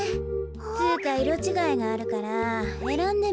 つうかいろちがいがあるからえらんでみたら。